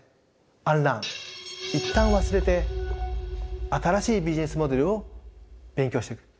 Ｕｎｌｅａｒｎ一旦忘れて新しいビジネスモデルを勉強していく。